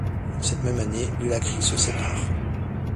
Cette même année, Lullacry se sépare.